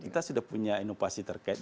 kita sudah punya inovasi terkait